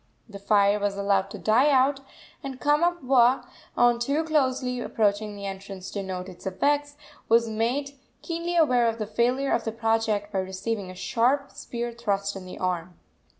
The fire was allowed to die out, and Kamapuaa, on too closely approaching the entrance to note its effects, was made keenly aware of the failure of the project by receiving a sharp spear thrust in the arm.